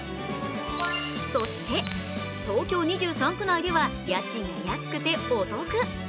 そして、東京２３区内では家賃が安くてお得。